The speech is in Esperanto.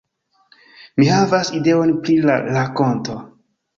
- Mi havas ideojn pri la rakonto